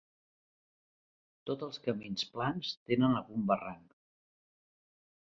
Tots els camins plans tenen algun barranc.